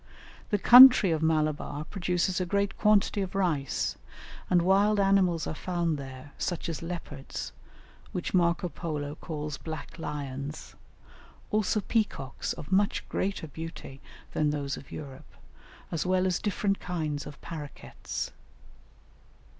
The country of Malabar produces a great quantity of rice, and wild animals are found there, such as leopards, which Marco Polo calls "black lions," also peacocks of much greater beauty than those of Europe, as well as different kinds of parroquets.